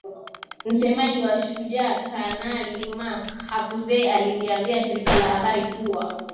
Msemaji wa Shujaa Kanali Mak Hazukay aliliambia shirika la habari kuwa